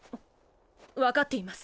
わかっています。